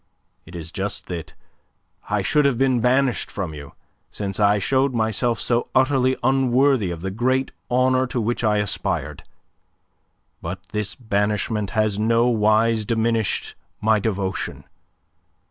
It is just that I should have been banished from you, since I showed myself so utterly unworthy of the great honour to which I aspired. But this banishment has nowise diminished my devotion.